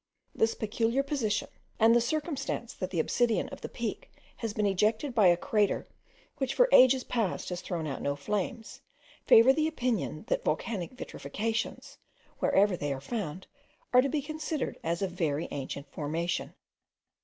This peculiar position, and the circumstance that the obsidian of the Peak has been ejected by a crater which for ages past has thrown out no flames, favour the opinion, that volcanic vitrifications, wherever they are found, are to be considered as of very ancient formation.